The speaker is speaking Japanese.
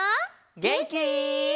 げんき？